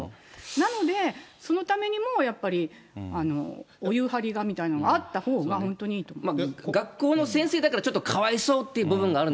なので、そのためにもやっぱりお湯張りがみたいなのが、あったほうが、本当にいいと思います。